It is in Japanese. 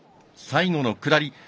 最後の下り。